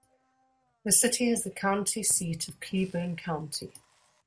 The city is the county seat of Cleburne County.